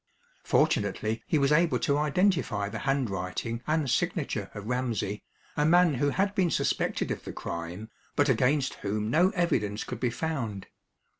Fortunately he was able to identify the handwriting and signature of Ramsey, a man who had been suspected of the crime, but against whom no evidence could be found.